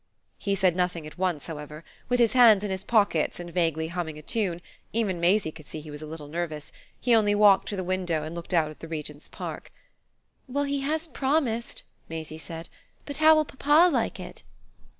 He said nothing at once, however; with his hands in his pockets and vaguely humming a tune even Maisie could see he was a little nervous he only walked to the window and looked out at the Regent's Park. "Well, he has promised," Maisie said. "But how will papa like it?"